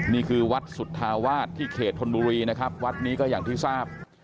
นี่คือวัดสุธาวาสที่เขตธนบุรีนะครับวัดนี้ก็อย่างที่ทราบ